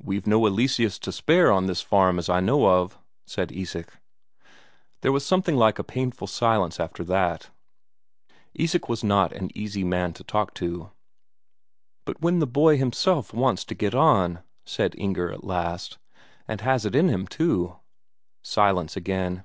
"We've no Eleseus to spare on this farm as I know of," said Isak. There was something like a painful silence after that. Isak was not an easy man to talk to. "But when the boy himself wants to get on," said Inger at last, "and has it in him, too." Silence again.